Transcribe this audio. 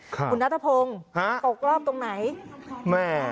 คุณนัทพงศ์ฮะตกรอบตรงไหนแม่